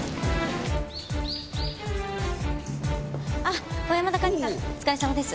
あっ小山田管理官お疲れさまです。